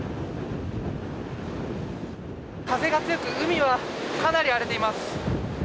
風が強く海はかなり荒れています。